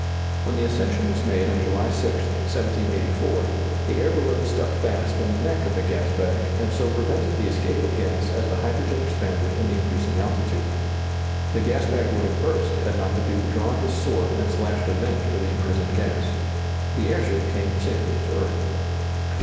When the ascension was made on July 6, 1784, the air balloon stuck fast in the neck of the gas bag, and so prevented the escape of gas as the hydrogen expanded in the increasing altitude. The gas bag would have burst had not the Duke drawn his sword and slashed a vent for the imprisoned gas. The airship came safely to earth.